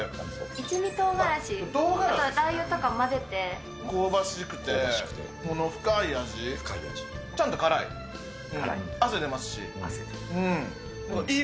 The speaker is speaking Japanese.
一味とうがらしとラー油とか香ばしくて、この深い味、ちゃんと辛い。